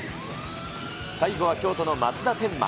最後は京都の松田天馬。